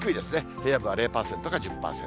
平野部は０％か１０％。